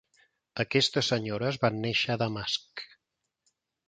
Aquestes senyores van néixer a Damasc.